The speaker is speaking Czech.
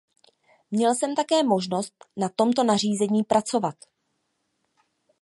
Měl jsem také možnost na tomto nařízení pracovat.